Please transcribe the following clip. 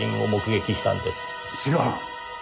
違う！